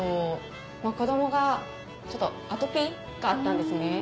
子どもがちょっとアトピーがあったんですね。